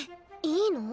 いいの？